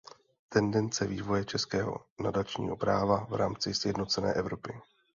Tendence vývoje českého nadačního práva v rámci sjednocené Evropy.